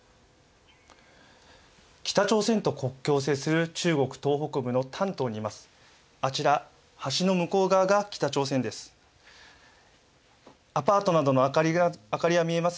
北朝鮮と国境を接する中国東北部の丹東にいます。